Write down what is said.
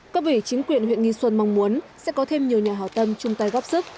các vị chính quyền huyện nghi xuân mong muốn sẽ có thêm nhiều nhà hào tâm chung tay góp sức